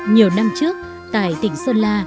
nhiều năm trước tại tỉnh sơn la